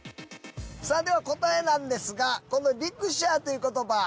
さぁでは答えなんですがこの「リクシャー」という言葉